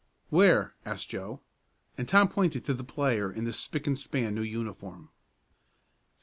"Where?" asked Joe, and Tom pointed to the player in the spick and span new uniform.